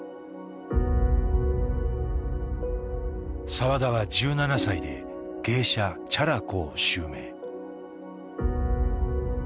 澤田は１７歳で芸者茶良子を襲名。